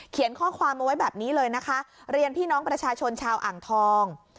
ข้อความเอาไว้แบบนี้เลยนะคะเรียนพี่น้องประชาชนชาวอ่างทอง